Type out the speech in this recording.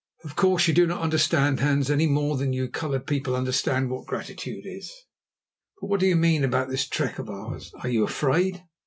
"Of course, you do not understand, Hans, any more than you coloured people understand what gratitude is. But what do you mean about this trek of ours? Are you afraid?"